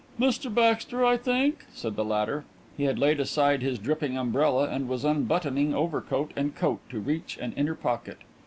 "Mr Baxter, I think?" said the latter. He had laid aside his dripping umbrella and was unbuttoning overcoat and coat to reach an inner pocket.